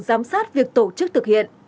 giám sát việc tổ chức thực hiện